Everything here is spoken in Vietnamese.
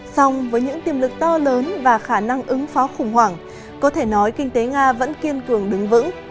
song với những tiềm lực to lớn và khả năng ứng phó khủng hoảng có thể nói kinh tế nga vẫn kiên cường đứng vững